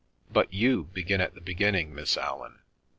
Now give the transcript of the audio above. But you begin at the beginning, Miss Allan."